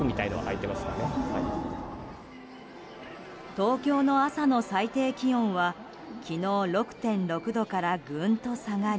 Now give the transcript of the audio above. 東京の朝の最低気温は昨日６．６度からぐんと下がり